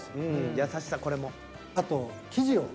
優しさこれも。